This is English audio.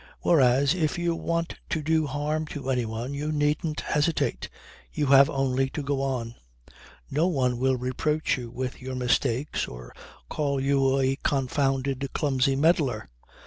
Whereas if you want to do harm to anyone you needn't hesitate. You have only to go on. No one will reproach you with your mistakes or call you a confounded, clumsy meddler.